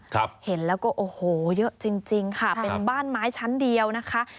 เห็นแล้วก็โอ้โหเยอะจริงจริงค่ะเป็นบ้านไม้ชั้นเดียวนะคะ